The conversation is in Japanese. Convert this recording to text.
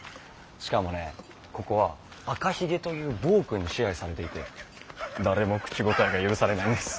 しかもねここは赤ひげという暴君に支配されていて誰も口答えが許されないんです。